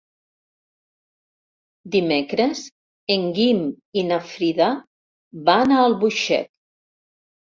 Dimecres en Guim i na Frida van a Albuixec.